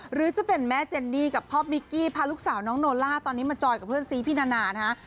หรือจะเป็นแม่เจนนี่กับพ่อมิกกี้พาลูกสาวน้องโนล่าตอนนี้มาจอยกับเพื่อนซีพี่นานานะฮะ